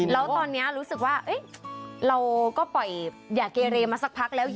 แล้วตอนนี้รู้สึกว่าเราก็ปล่อยยาเกเรมาสักพักแล้ว